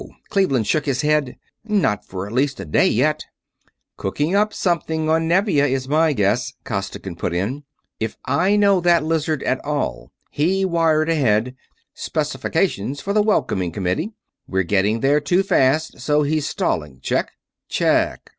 Cleveland shook his head. "Not for at least a day yet." "Cooking up something on Nevia, is my guess," Costigan put in. "If I know that lizard at all, he wired ahead specifications for the welcoming committee. We're getting there too fast, so he's stalling. Check?" "Check."